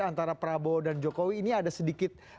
antara prabowo dan jokowi ini ada sedikit